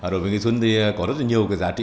đối với nghệ xuân thì có rất là nhiều cái giá trị